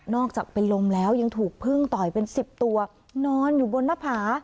อกจากเป็นลมแล้วยังถูกพึ่งต่อยเป็น๑๐ตัวนอนอยู่บนหน้าผา